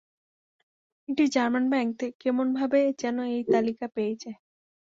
একটি German bank কেমনভাবে যেন এই তালিকা পেয়ে যায়।